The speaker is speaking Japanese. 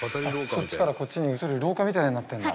そっちからこっちに移る廊下みたいになってるんだ。